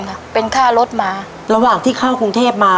ค่ะเป็นค่ารถมาระหว่างที่เข้ากรุงเทพมา